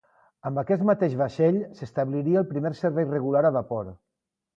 Amb aquest mateix vaixell, s'establiria el primer servei regular a vapor.